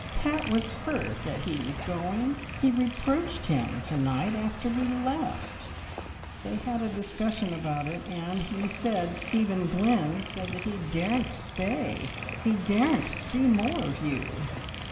"Pat was hurt that he was going; he reproached him to night after we left; they had a discussion about it, and he said Stephen Glynn said that he daren't stay, he daren't see more of you.